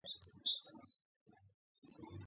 არის თერმული წყაროები.